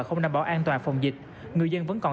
không đảm bảo an toàn phòng dịch người dân vẫn còn